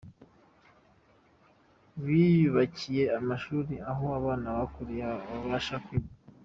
biyubakiye amashuri aho abana bahakuriye babasha kwiga.